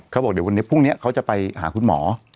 เขาบอกเดี๋ยววันนี้พรุ่งนี้เขาจะไปหาคุณหมอ